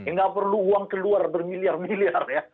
nggak perlu uang keluar bermiliar miliar ya